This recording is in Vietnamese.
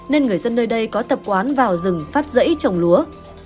nên người dân nơi đây có tập quán vào rừng phát rẫy trồng lúa